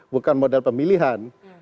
bukan model pemilihan